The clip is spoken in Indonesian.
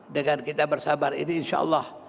dengan kita bersabar ini insya allah